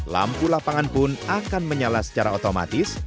lampu lapangan pun akan menyala secara otomatis